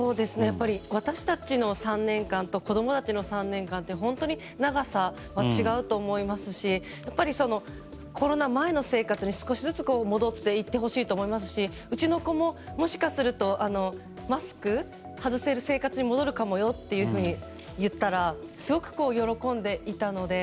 私たちの３年間と子供たちの３年間というのは本当に、長さは違うと思いますしコロナ前の生活に少しずつ戻っていってほしいと思いますしうちの子も、もしかするとマスクを外せる生活に戻るかもよと言ったらすごく喜んでいたので。